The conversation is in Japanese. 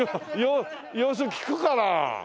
様子聞くから。